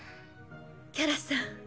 キャラさん。